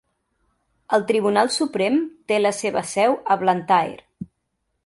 El Tribunal Suprem té la seva seu a Blantyre.